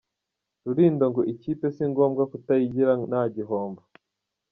Rulindo ngo ikipe si ngombwa kutayigira nta gihombo.